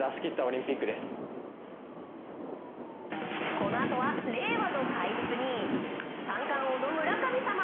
このあとは令和の怪物に三冠王の村神様。